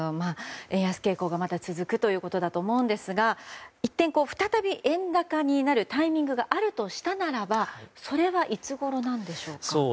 円安傾向が続くということだと思うんですが一転、再び円高になるタイミングがあるとしたならばそれはいつごろなんでしょうか？